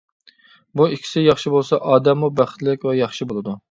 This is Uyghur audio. بۇ ئىككىسى ياخشى بولسا، ئادەممۇ بەختلىك ۋە ياخشى بولىدۇ.